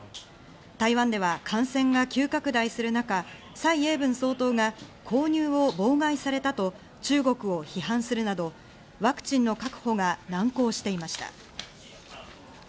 台湾では感染が急拡大する中、サイ・エイブン総統が購入を妨害されたと中国を批判するなど、ワクチンの確保が難航していました。